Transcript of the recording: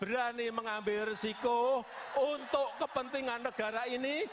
berani mengambil resiko untuk kepentingan negara ini